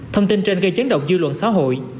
thông tin trên gây chấn động dư luận xã hội